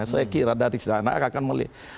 saya kira dari sana akan melihat